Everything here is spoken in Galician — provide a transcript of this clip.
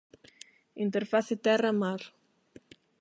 Interface terra-mar.